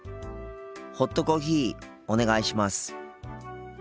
ホットコーヒーお願いします。